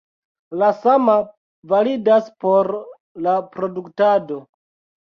La sama validas por la produktado.